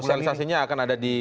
sosialisasinya akan ada di